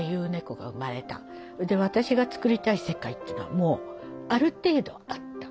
で私がつくりたい世界っていうのはもうある程度あった。